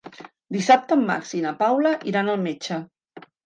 Dissabte en Max i na Paula iran al metge.